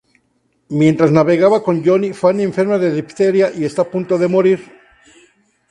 Mientras navega con Johnny, Fanny enferma de difteria y está a punto de morir.